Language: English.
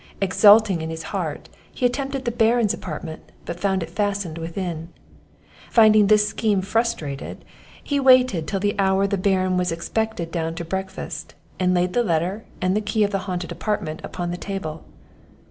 Exulting in his heart, he attempted the Baron's apartment, but found it fastened within. Finding this scheme frustrated, he waited till the hour the Baron was expected down to breakfast, and laid the letter and the key of the haunted apartment upon the table.